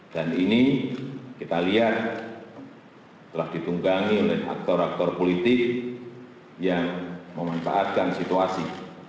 dan ini kita lihat telah ditunggangi oleh aktor aktor politik yang memanfaatkan situasi